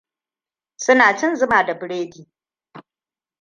Su na cin zuma da biredi.